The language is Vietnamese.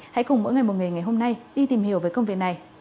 hãy cùng mỗi người một ngày ngày hôm nay đi tìm hiểu về công việc này